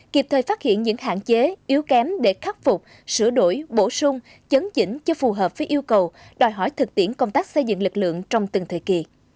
kịp thời phát hiện những hạn chế yếu kém để khắc phục sửa đổi bổ sung chấn chỉnh cho phù hợp với yêu cầu đòi hỏi thực tiễn công tác xây dựng lực lượng trong từng thời kỳ